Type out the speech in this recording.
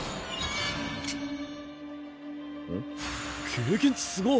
経験値すごっ。